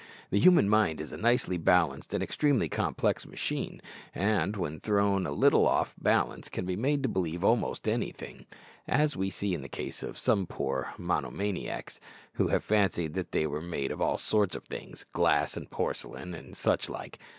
The human mind is a nicely balanced and extremely complex machine, and when thrown a little off the balance can be made to believe almost anything, as we see in the case of some poor monomaniacs, who have fancied that they were made of all sorts of things glass and porcelain, and such like.